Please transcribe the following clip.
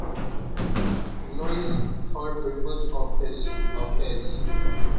Louise heard rumors of his affairs.